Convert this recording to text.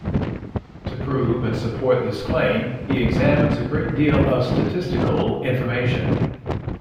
To prove and support this claim, he examines a great deal of statistical information.